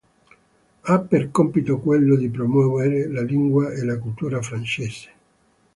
Ha per compito quello di promuovere la lingua e la cultura francese.